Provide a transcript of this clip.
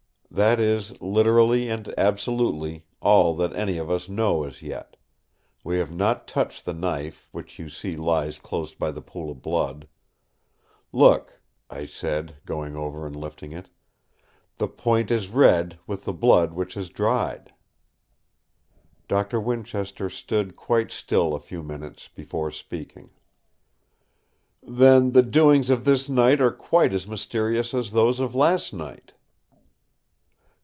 That is, literally and absolutely, all that any of us know as yet. We have not touched the knife, which you see lies close by the pool of blood. Look!" I said, going over and lifting it. "The point is red with the blood which has dried." Doctor Winchester stood quite still a few minutes before speaking: "Then the doings of this night are quite as mysterious as those of last night?"